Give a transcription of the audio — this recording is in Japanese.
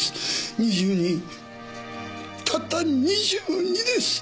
２２たった２２です！